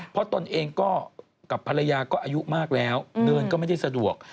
เพราะตนเองก็กับภรรยาก็อายุมากแล้วเนินก็ไม่ได้สะดวก